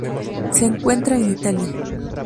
Se encuentra en Italia.